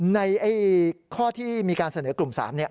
ในข้อที่มีการเสนอกลุ่ม๓เนี่ย